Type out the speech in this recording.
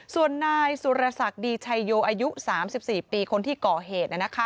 ส่วนนายสุรศักดิ์ดีชัยโยอายุ๓๔ปีคนที่ก่อเหตุ